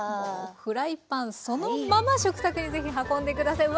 フライパンそのまま食卓にぜひ運んで下さい。